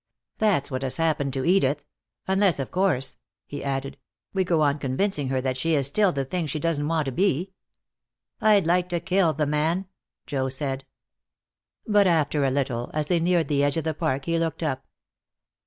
That's what has happened to Edith. Unless, of course," he added, "we go on convincing her that she is still the thing she doesn't want to be." "I'd like to kill the man," Joe said. But after a little, as they neared the edge of the park, he looked up.